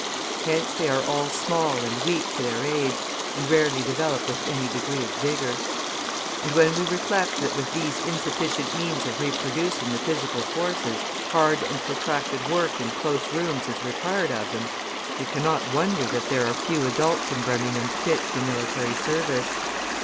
Hence they are all small and weak for their age, and rarely develop with any degree of vigour. And when we reflect that with these insufficient means of reproducing the physical forces, hard and protracted work in close rooms is required of them, we cannot wonder that there are few adults in Birmingham fit for military service.